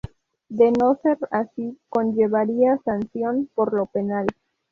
De no ser así, conllevaría sanción por lo penal.